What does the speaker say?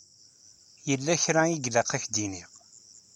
Yella kra i ilaq ad k-d-iniɣ.